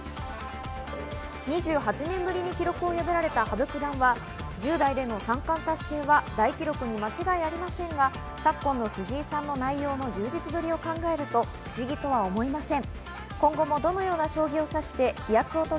２８年ぶりに記録を破られた羽生九段は、１０代での三冠達成は大記録に間違いありませんが、昨今の藤井さんの内容の充実ぶりを考えると不思議とは思いません。